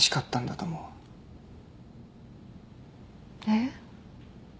えっ？